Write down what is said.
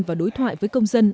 và đối thoại với công dân